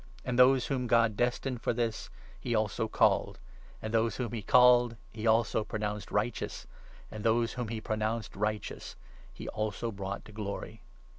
And those whom God destined for 30 this he also called ; and those whom he called he also pro nounced righteous ; and those whom he pronounced righteous he also brought to Glory.